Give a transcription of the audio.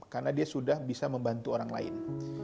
karena dia sudah bisa membantu orang lain